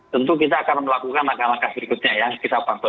tentu kita akan melakukan langkah langkah berikutnya ya kita pantau